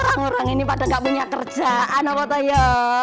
orang orang ini pada ga punya kerjaan apa toh yo